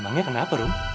emangnya kenapa rum